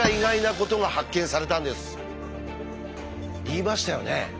言いましたよね？